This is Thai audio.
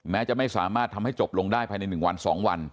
จะไม่สามารถทำให้จบลงได้ภายใน๑วัน๒วัน